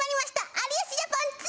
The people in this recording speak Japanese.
「有吉ジャポンⅡ